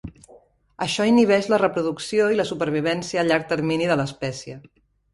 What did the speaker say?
Això inhibeix la reproducció i la supervivència a llarg termini de l'espècie.